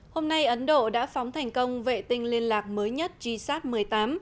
hôm nay ấn độ đã phóng thành công vệ tinh liên lạc mới nhất g sat một mươi tám